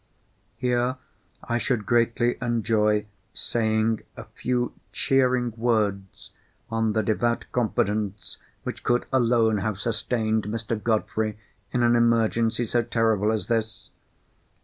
Here I should greatly enjoy saying a few cheering words on the devout confidence which could alone have sustained Mr. Godfrey in an emergency so terrible as this.